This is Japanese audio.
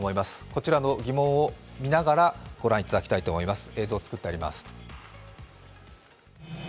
こちらの疑問を見ながらご覧いただきたいと思います。